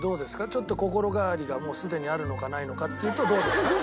ちょっと心変わりがもうすでにあるのかないのかっていうとどうですか？